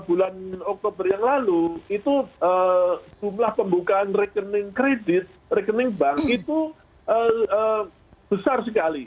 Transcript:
bulan oktober yang lalu itu jumlah pembukaan rekening kredit rekening bank itu besar sekali